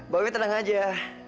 babi tenang aja ya